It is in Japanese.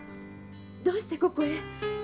どうしてここへ？